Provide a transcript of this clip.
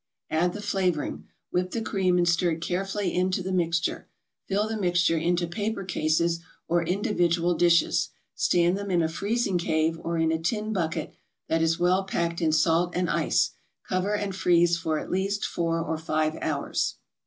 Add the flavoring. Whip the cream and stir it carefully into the mixture. Fill the mixture into paper cases or individual dishes, stand them in a freezing cave or in a tin bucket that is well packed in salt and ice, cover and freeze for at least four or five hours.